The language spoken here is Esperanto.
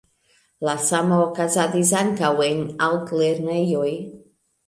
La samo okazadis ankaŭ en altlernejoj.